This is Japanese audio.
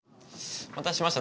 お待たせしました。